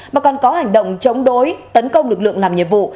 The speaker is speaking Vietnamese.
mà còn có hành động chống đối tấn công lực lượng làm nhiệm vụ